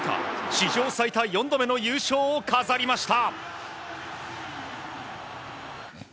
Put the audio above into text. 史上最多４度目の優勝を飾りました。